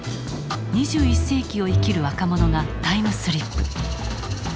２１世紀を生きる若者がタイムスリップ。